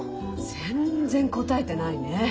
全然こたえてないね。